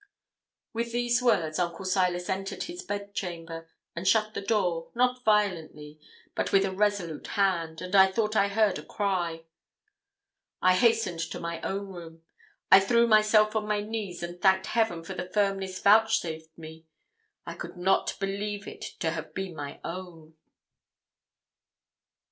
With these words Uncle Silas entered his bed chamber, and shut the door, not violently, but with a resolute hand, and I thought I heard a cry. I hastened to my own room. I threw myself on my knees, and thanked Heaven for the firmness vouchsafed me; I could not believe it to have been my own.